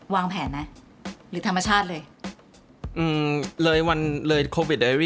วางแผนไหมหรือธรรมชาติเลยอืมเลยวันเลยโควิดเลยพี่